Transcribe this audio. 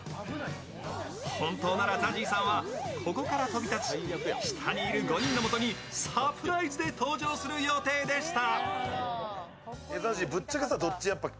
本当ならＺＡＺＹさんはここから飛び立ち下にいる５人のもとにサプライズで登場する予定でした。